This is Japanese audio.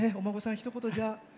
ひと言、じゃあ。